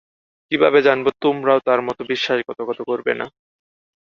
কীভাবে জানব তোমরাও তার মতো বিশ্বাসঘাতকতা করবে না?